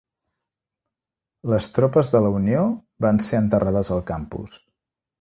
Les tropes de la Unió van ser enterrades al campus.